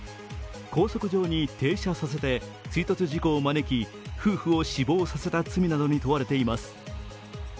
高速上に、停車させて追突事故を招き夫婦を死亡させた罪などに問われています。